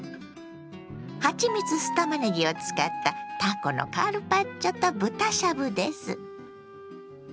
「はちみつ酢たまねぎ」を使ったたこのカルパッチョと豚しゃぶです。